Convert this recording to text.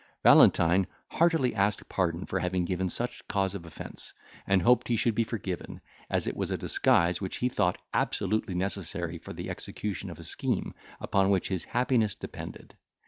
Valentine heartily asked pardon for having given such cause of offence, and hoped he should be forgiven, as it was a disguise which he thought absolutely necessary for the execution of a scheme upon which his happiness depended.